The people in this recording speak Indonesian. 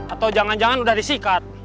atau jangan jangan sudah disikat